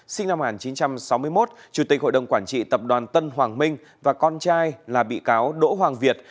sinh năm một nghìn chín trăm sáu mươi một chủ tịch hội đồng quản trị tập đoàn tân hoàng minh và con trai là bị cáo đỗ hoàng việt